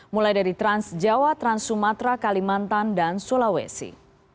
mulai dari transjawa trans sumatra kalimantan dan sulawesi